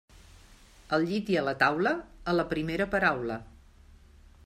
Al llit i a la taula, a la primera paraula.